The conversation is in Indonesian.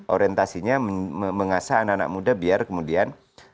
orientasinya mengasah anak anak muda biar kemudian